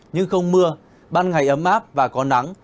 nhưng không mưa ban ngày ấm áp và có nắng